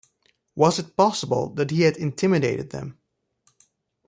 Was it possible that he had intimidated them?